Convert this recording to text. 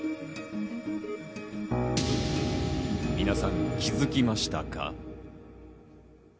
皆さん、気づきましたか？